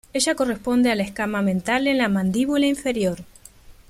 Ella corresponde a la escama mental en la mandíbula inferior.